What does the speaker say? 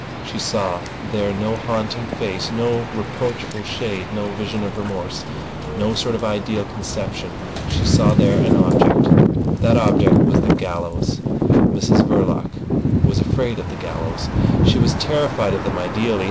She saw there no haunting face, no reproachful shade, no vision of remorse, no sort of ideal conception. She saw there an object. That object was the gallows. Mrs Verloc was afraid of the gallows. She was terrified of them ideally.